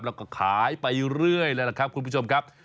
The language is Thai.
แล้วก็ขายไปเรื่อยเลยล่ะครับคุณผู้ชมครับ